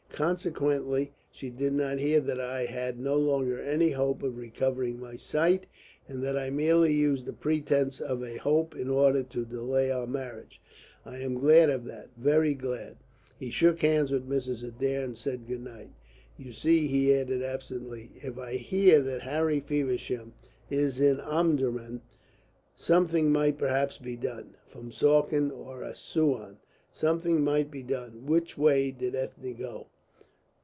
Consequently she did not hear that I had no longer any hope of recovering my sight, and that I merely used the pretence of a hope in order to delay our marriage. I am glad of that, very glad." He shook hands with Mrs. Adair, and said good night. "You see," he added absently, "if I hear that Harry Feversham is in Omdurman, something might perhaps be done from Suakin or Assouan, something might be done. Which way did Ethne go?"